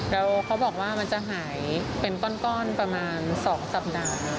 แล้วเขาบอกว่ามันจะหายเป็นก้อนประมาณ๒สัปดาห์